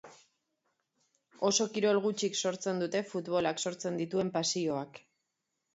Oso kirol gutxik sortzen dute futbolak sortzen dituen pasioak.